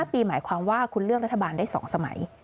ปีหมายความว่าคุณเลือกรัฐบาลได้๒สมัย